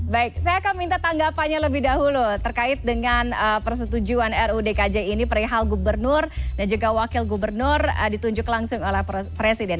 baik saya akan minta tanggapannya lebih dahulu terkait dengan persetujuan rudkj ini perihal gubernur dan juga wakil gubernur ditunjuk langsung oleh presiden